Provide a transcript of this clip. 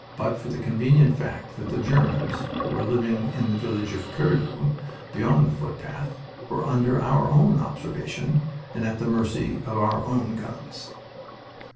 but for the convenient fact that the Germans, who were living in the village of Curlu, beyond the footpath, were under our own observation and at the mercy of our own guns.